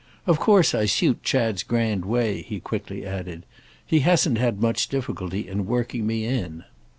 "Of course I suit Chad's grand way," he quickly added. "He hasn't had much difficulty in working me in."